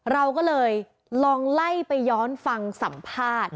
เราก็เลยลองไล่ไปย้อนฟังสัมภาษณ์